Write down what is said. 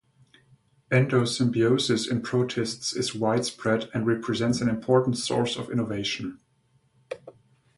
Endosymbiosis in protists is widespread and represents an important source of innovation.